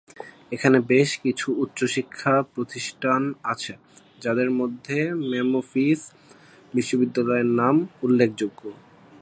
এখানে বেশ কিছু উচ্চশিক্ষা প্রতিষ্ঠান আছে, যাদের মধ্যে মেমফিস বিশ্ববিদ্যালয়ের নাম উল্লেখযোগ্য।